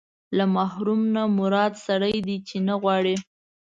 له محروم نه مراد سړی دی چې نه غواړي.